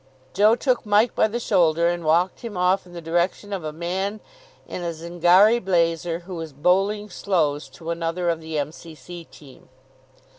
Joe took Mike by the shoulder, and walked him off in the direction of a man in a Zingari blazer who was bowling slows to another of the M.C.C. team.